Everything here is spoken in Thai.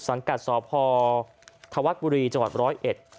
สังกัดสอบพธวักบุรีจังหวัด๑๐๑